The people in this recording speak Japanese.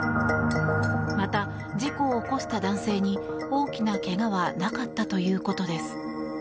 また、事故を起こした男性に大きな怪我はなかったということです。